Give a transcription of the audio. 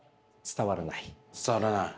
伝わらない？